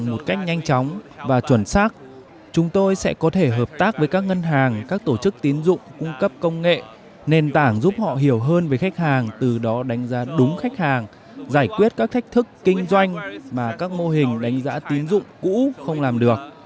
một cách nhanh chóng và chuẩn xác chúng tôi sẽ có thể hợp tác với các ngân hàng các tổ chức tín dụng cung cấp công nghệ nền tảng giúp họ hiểu hơn về khách hàng từ đó đánh giá đúng khách hàng giải quyết các thách thức kinh doanh mà các mô hình đánh giá tín dụng cũ không làm được